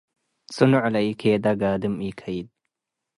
ጽኖዕ ለኢኬደ ጋድም ኢከይድ።